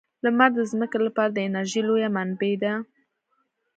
لمر د ځمکې لپاره د انرژۍ لویه منبع ده.